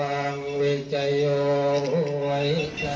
อาจารย์ขอบคุณครับ